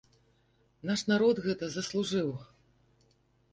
Наш народ гэта заслужыў.